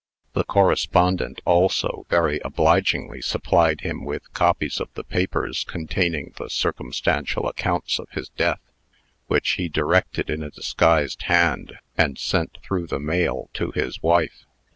The correspondent also very obligingly supplied him with copies of the papers containing the circumstantial accounts of his death, which he directed in a disguised hand, and sent through the mail to his wife.